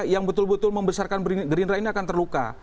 yang betul betul membesarkan gerindra ini akan terluka